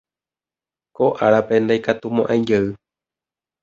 Ko árape ndaikatumo'ãijey.